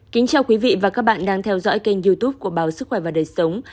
kính chào quý vị và các bạn đang theo dõi kênh youtube của báo sức khỏe và đời sống